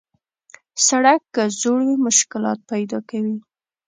سړک که زوړ وي، مشکلات پیدا کوي.